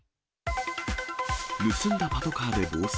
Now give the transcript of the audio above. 盗んだパトカーで暴走。